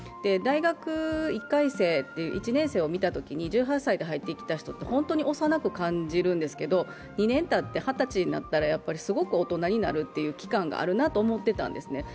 大学１年生を見たときに、１８歳で入ってきた人は本当に幼く感じるんですけど２年たって二十歳になったらすごく大人になるという期間があるなと思っていたんですね。